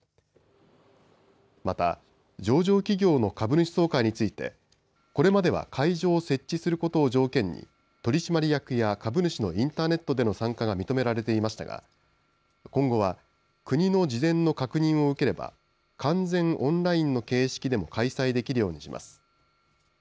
また上場企業の株主総会についてこれまでは会場を設置することを条件に取締役や株主のインターネットでの参加が認められていましたが今後は国の事前の確認を受ければ完全オンラインの形式でも開催できるようにします。